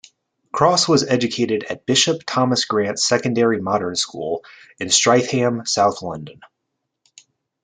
Cross was educated at Bishop Thomas Grant secondary modern school in Streatham, South London.